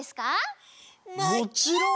もちろん！